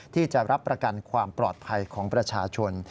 ที่จะรับประกันความปลอดภัยของประชาชน